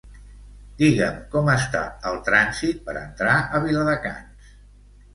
Digue'm com està el trànsit per entrar a Viladecans.